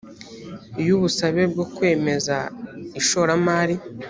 iyo ubusabe bwo kwemeza ishoramari